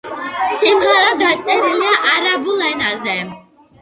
სიმღერა დაწერილია არაბულ ენაზე.